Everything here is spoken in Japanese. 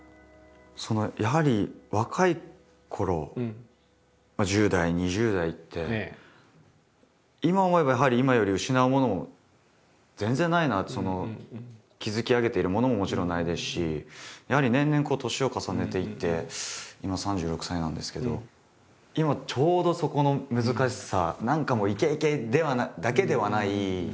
やはり若いころ１０代２０代って今思えばやはり今より失うものも全然ないなって築き上げているものももちろんないですしやはり年々年を重ねていって今３６歳なんですけど今ちょうどそこの難しさ。